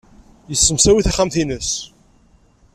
Yessemsawi taxxamt-nnes.